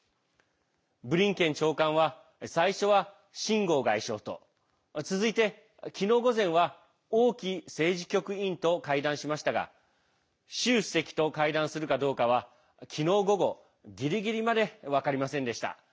ブリンケン長官は最初は秦剛外相と続いて、昨日午前は王毅政治局委員と会談しましたが習主席と会談するかどうかは昨日午後ギリギリまで分かりませんでした。